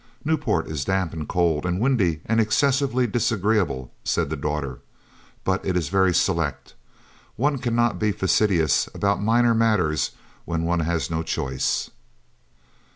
"Newport is damp, and cold, and windy and excessively disagreeable," said the daughter, "but it is very select. One cannot be fastidious about minor matters when one has no choice."